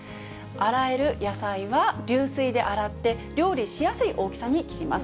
洗える野菜は流水で洗って、料理しやすい大きさに切ります。